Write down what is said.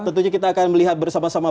tentunya kita akan melihat bersama sama